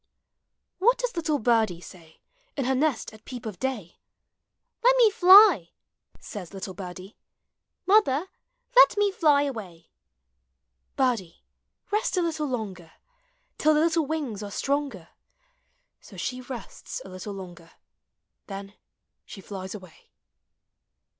FROM "SEA DREAMS." What does little birdie say In her nest at peep of day? Let me fly, says little birdie, Mother, let me fly away. Birdie, rest a little longer, Till the little wings are stronger. So she rests a little longer, Then she flies away.